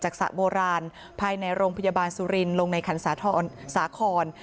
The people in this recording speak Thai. จากสระโบราณภายในโรงพยาบาลสุรินทร์ลงในขันศาขร